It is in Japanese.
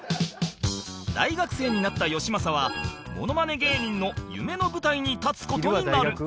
大学生になったよしまさはモノマネ芸人の夢の舞台に立つ事になる